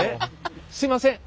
すみません